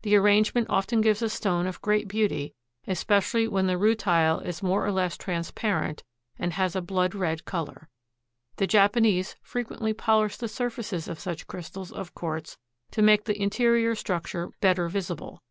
The arrangement often gives a stone of great beauty, especially when the rutile is more or less transparent and has a blood red color. The Japanese frequently polish the surfaces of such crystals of quartz to make the interior structure better visible.